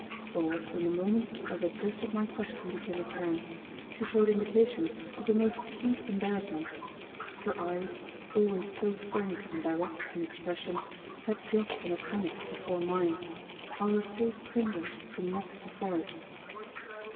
For from the moment that the drift of my question became apparent, she showed indications of the most acute embarrassment. Her eyes, always so frank and direct in expression, had dropped in a panic before mine, while her face crimsoned from neck to forehead.